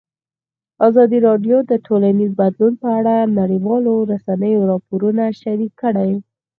ازادي راډیو د ټولنیز بدلون په اړه د نړیوالو رسنیو راپورونه شریک کړي.